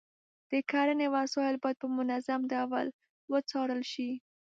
د کرنې وسایل باید په منظم ډول وڅارل شي.